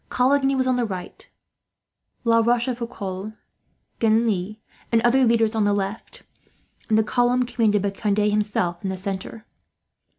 Coligny was on the right; La Rochefoucauld, Genlis, and other leaders on the left; and the column commanded by Conde, himself, in the centre.